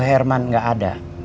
pak herman gak ada